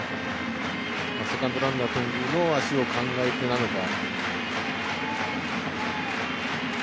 セカンドランナーの頓宮の足を考えてなのか。